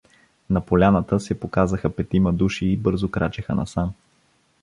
На поляната се показаха петима души и бързо крачеха насам.